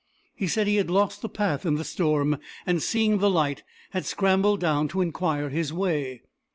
He said he had lost the path in the storm, and, seeing the light, had scrambled down to inquire his way.